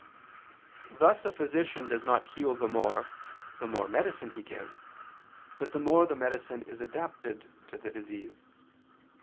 Thus a physician does not heal the more the more medicine he gives, but the more the medicine is adapted to the disease.